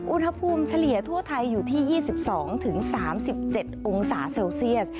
เฉลี่ยทั่วไทยอยู่ที่๒๒๓๗องศาเซลเซียส